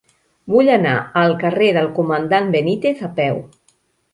Vull anar al carrer del Comandant Benítez a peu.